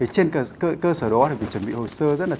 trên cơ sở đó thì phải chuẩn bị hồ sơ